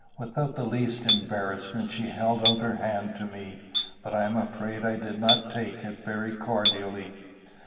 Without the least embarrassment, she held out her hand to me, but I am afraid I did not take it very cordially.